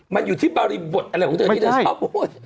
มันอยู่ที่บริบทอะไรของเธอที่เธอชอบพูด